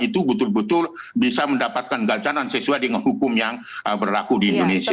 itu betul betul bisa mendapatkan gajanan sesuai dengan hukum yang berlaku di indonesia